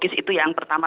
psikologi itu yang pertama